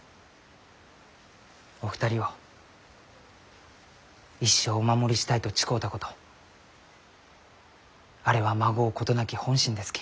お二人を一生お守りしたいと誓うたことあれはまごうことなき本心ですき。